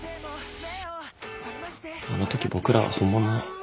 あのとき僕らは本物の。